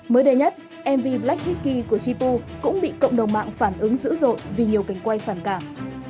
mới đây nhất mv black hickey của sipu cũng bị cộng đồng mạng phản ứng dữ dội vì nhiều cánh quay phản cảm